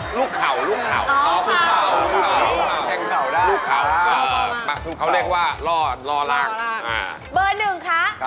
หมายเลขหนึ่ง